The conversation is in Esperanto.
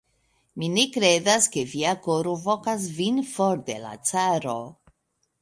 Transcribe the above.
Mi ne kredas, ke via koro vokas vin for de la caro.